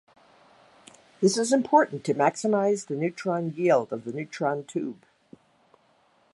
This is important to maximize the neutron yield of the neutron tube.